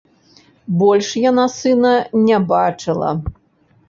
Больш яна сына не бачыла.